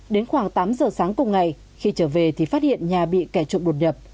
đến khoảng tám giờ sáng cùng ngày khi trở về thì phát hiện nhà bị kẻ trộm đột nhập